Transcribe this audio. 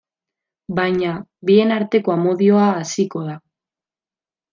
Baina, bien arteko amodioa haziko da.